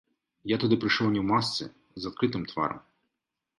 Я туды прыйшоў не ў масцы, з адкрытым тварам.